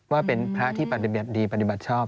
ว่าเป็นพระที่ปฏิบัติดีปฏิบัติชอบ